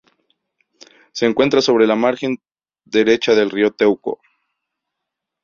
Se encuentra sobre la margen derecha del río Teuco.